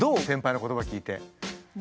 先輩の言葉聞いて。